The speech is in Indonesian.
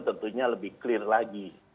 tentunya lebih clear lagi